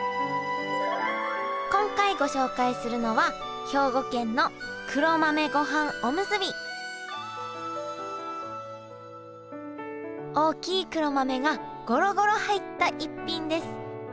今回ご紹介するのは大きい黒豆がゴロゴロ入った逸品です。